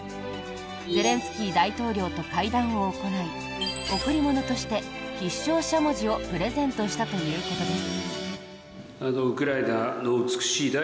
ゼレンスキー大統領と会談を行い贈り物として必勝しゃもじをプレゼントしたということです。